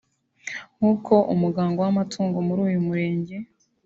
nk’uko umuganga w’amatungo muri uyu murenge